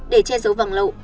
để che giấu vàng lậu